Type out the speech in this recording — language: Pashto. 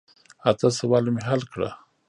اته سواله مې حل کړه.